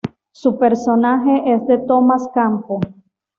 Su personaje es de Tomas Campos.